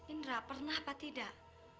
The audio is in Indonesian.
indra pernah pak tidak